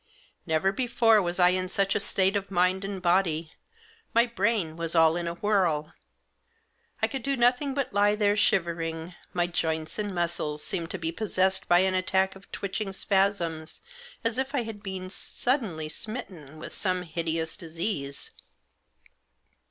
Never before was I in such a state of mind and body. My brain was all in a whirl. I could do nothing but He there shivering ; my joints and muscles seemed to be possessed by an attack of twitching spasms, as if I had been suddenly smitten with some hideous disease.